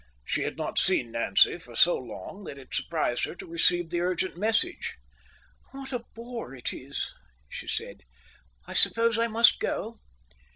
She had not seen Nancy for so long that it surprised her to receive this urgent message. "What a bore it is!" she said. "I suppose I must go."